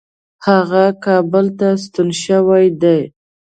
هغه کابل ته ستون شوی دی.